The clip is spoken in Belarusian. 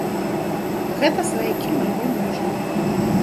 Гэта сваякі майго мужа.